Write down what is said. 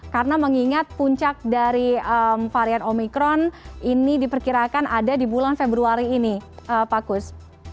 karena mengingat puncak dari varian omikron ini diperkirakan ada di bulan februari ini pak kus